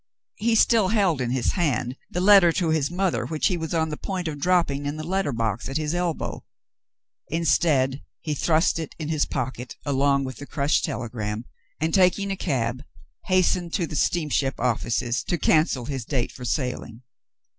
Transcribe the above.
He still held in his hand the letter to his mother which he was on the point of dropping in the letter box at his elbow. Instead, he thrust it in his pocket, along Avith the crushed telegram, and, taking a cab, hastened to the steamship offices to cancel his date for sailing.